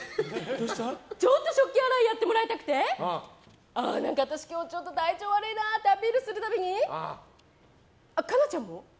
ちょっと食器洗いやってもらいたくて何か私今日体調悪いなってアピールするたびにあ、可奈ちゃんも？